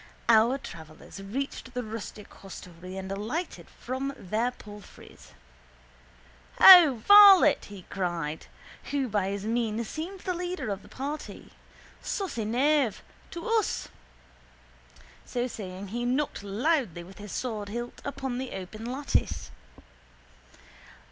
Our travellers reached the rustic hostelry and alighted from their palfreys. —Ho, varlet! cried he, who by his mien seemed the leader of the party. Saucy knave! To us! So saying he knocked loudly with his swordhilt upon the open lattice.